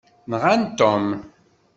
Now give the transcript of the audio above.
Nɣan Tom.